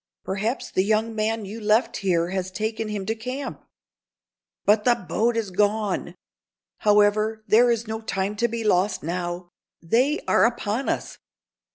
"Perhaps the young man you left here has taken him to camp." "But the boat is gone! However, there is no time to be lost, now. They are upon us!